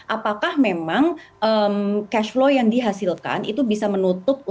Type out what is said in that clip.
apakah memang cash flow yang dihasilkan itu bisa menutup